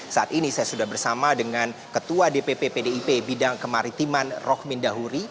saat ini saya sudah bersama dengan ketua dpp pdip bidang kemaritiman rohmin dahuri